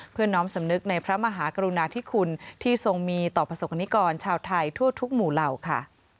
น้อมสำนึกในพระมหากรุณาธิคุณที่ทรงมีต่อประสบกรณิกรชาวไทยทั่วทุกหมู่เหล่าค่ะ